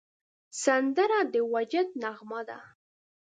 سندره د وجد نغمه ده